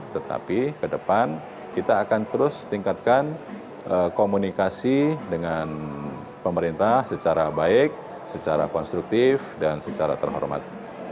tetapi ke depan kita akan terus tingkatkan komunikasi dengan pemerintah secara baik secara konstruktif dan secara terhormat